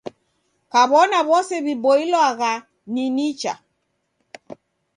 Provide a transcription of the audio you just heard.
Kaw'ona w'ose w'iboilwagha ni nicha.